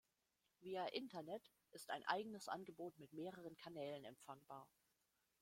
Via Internet ist ein eigenes Angebot mit mehreren Kanälen empfangbar.